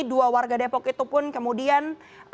dua warga depok itu pun kemudian